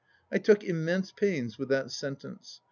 I took immense pains with that sentence.